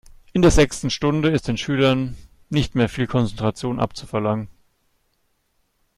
In der sechsten Stunde ist den Schülern nicht mehr viel Konzentration abzuverlangen.